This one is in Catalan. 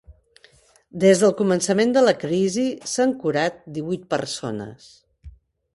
Des del començament de la crisi s’han curat divuit persones.